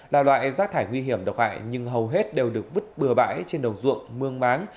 là loại rác thải nguy hiểm độc hại nhưng hầu hết đều được vứt bừa bãi trên đồng ruộng mương máng